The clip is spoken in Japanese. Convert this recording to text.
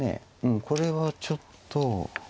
これはちょっと。